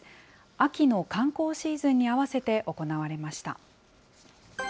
秋の観光シーズンに合わせて行われました。